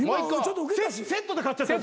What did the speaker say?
セットで買っちゃってる。